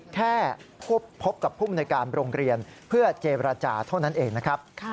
แค่พบกับภูมิในการโรงเรียนเพื่อเจรจาเท่านั้นเองนะครับ